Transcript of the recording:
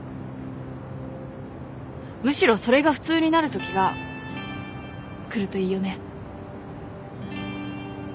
むしろそれが普通になるときが来るといいよね。